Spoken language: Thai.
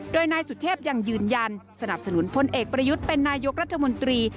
โดยนายสุเทพยังยืนยันสนับสนุนพลเอกประยุทธ์เป็นนายกรัฐมนตรี